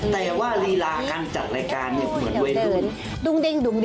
แต่ว่ารีลาการจากรายการหัวด้วยรู้